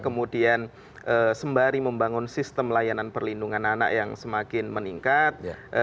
kemudian sembari membangun sistem layanan perlindungan anak yang semakin meningkat